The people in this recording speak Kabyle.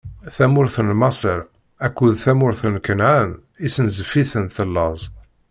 Tamurt n Maṣer akked tmurt n Kanɛan issenzef-itent laẓ.